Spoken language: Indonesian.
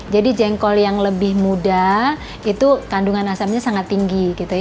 jadi jengkol yang lebih muda itu kandungan asamnya sangat tinggi